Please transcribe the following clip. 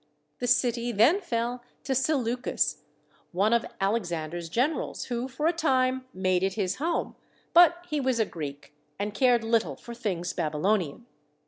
The city then fell to Seleucus, one of Alexander's generals, who for a time made it his home, but he was a Greek and cared little for things Babylonian.